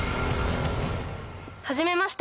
・はじめまして。